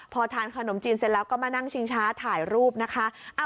พอทานขนมจีนเสร็จแล้วก็มานั่งชิงช้าถ่ายรูปนะคะ